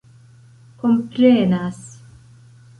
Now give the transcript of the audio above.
komprenas